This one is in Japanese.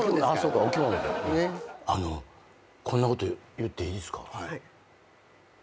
あのこんなこと言っていいですか？